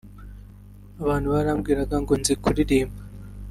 Abantu barambwiraga ngo nzi kuririmba